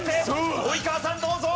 及川さんどうぞ。